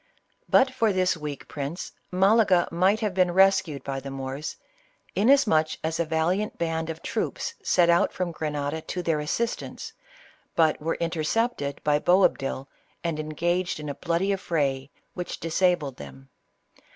But for this weak prince, Malaga might have been rescued by the Moors, inasmuch as a valiant band of troops set out from Gre nada to their assistance, but were intercepted by Boab dil and engaged in a bloody affray, which disabled them.